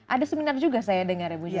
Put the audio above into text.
ada seminar juga saya dengarnya bu jodhen